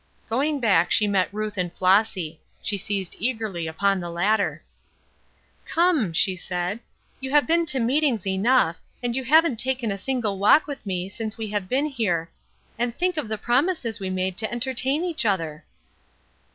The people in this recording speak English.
Going back she met Ruth and Flossy. She seized eagerly upon the latter. "Come," she said, "you have been to meetings enough, and you haven't taken a single walk with me since we have been here, and think of the promises we made to entertain each other."